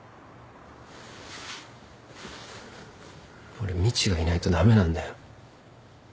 俺みちがいないと駄目なんだよ。